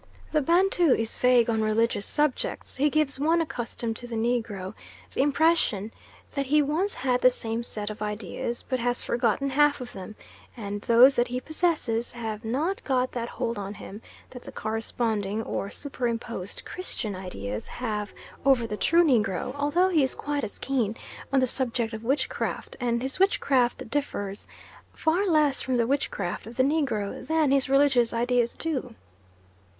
The Bantu is vague on religious subjects; he gives one accustomed to the Negro the impression that he once had the same set of ideas, but has forgotten half of them, and those that he possesses have not got that hold on him that the corresponding or super imposed Christian ideas have over the true Negro; although he is quite as keen on the subject of witchcraft, and his witchcraft differs far less from the witchcraft of the Negro than his religious ideas do.